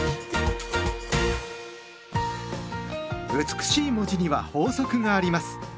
美しい文字には法則があります。